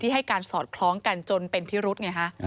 ให้การสอดคล้องกันจนเป็นพิรุธไงฮะ